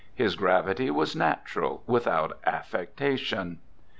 His gravity was natural, without affectation.'